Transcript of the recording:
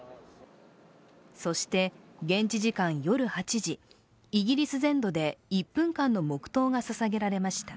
そして現地時間夜８時イギリス全土で１分間の黙とうがささげられました